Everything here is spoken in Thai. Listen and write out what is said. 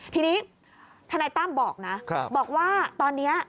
ทีนี้ทนายตั้มบอกนะบอกว่าตอนนี้